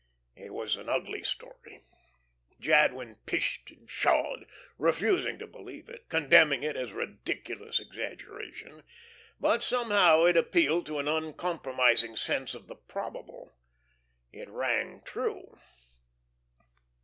It was an ugly story. Jadwin pished and pshawed, refusing to believe it, condemning it as ridiculous exaggeration, but somehow it appealed to an uncompromising sense of the probable; it rang true.